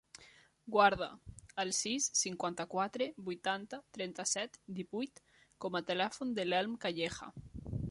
Guarda el sis, cinquanta-quatre, vuitanta, trenta-set, divuit com a telèfon de l'Elm Calleja.